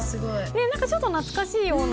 何かちょっと懐かしいような。